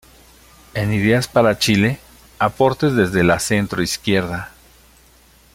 En Ideas para Chile: Aportes desde la Centro-Izquierda.